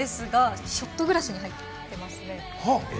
ショットグラスに入ってますね。